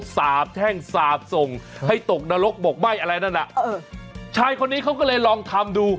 สาบแท่งสาบส่งให้ตกนรกบกไหม้อะไรนั่นอ่ะเออชายคนนี้เขาก็เลยลองทำดู